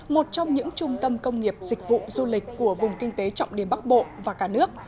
một trong những trung tâm công nghiệp dịch vụ du lịch của vùng kinh tế trọng điểm bắc bộ và cả nước